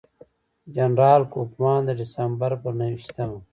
جنرال کوفمان د ډسمبر پر نهه ویشتمه.